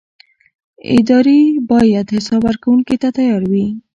ادارې باید حساب ورکونې ته تیار وي